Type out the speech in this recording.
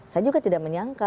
saya juga tidak menyangka